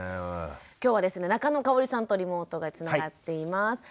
今日はですね中野かおりさんとリモートがつながっています。